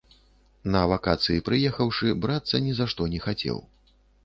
На вакацыі прыехаўшы, брацца ні за што не хацеў.